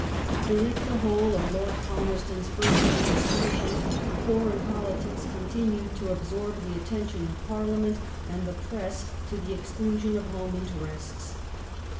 During the whole of Lord Palmerston's first admini stration, foreign politics continued to absorb the atten tion of Parliament and the press to the exclusion of home interests.